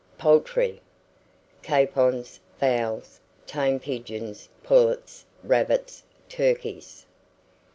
POULTRY. Capons, fowls, tame pigeons, pullets, rabbits, turkeys.